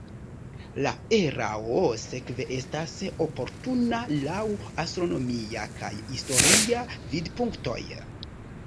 La erao sekve estas oportuna laŭ astronomia kaj historia vidpunktoj.